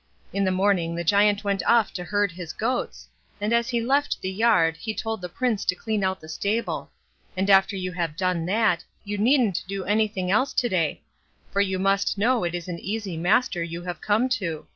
In the morning the Giant went off to herd his goats, and as he left the yard, he told the Prince to clean out the stable; "and after you have done that, you needn't do anything else to day; for you must know it is an easy master you have come to.